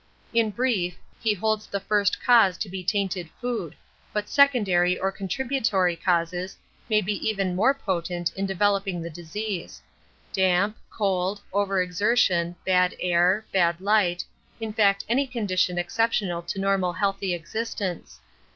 In brief, he holds the first cause to be tainted food, but secondary or contributory causes may be even more potent in developing the disease. Damp, cold, over exertion, bad air, bad light, in fact any condition exceptional to normal healthy existence.